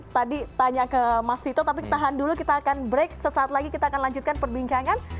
jadi tanya ke mas vito tapi tahan dulu kita akan break sesaat lagi kita akan lanjutkan perbincangan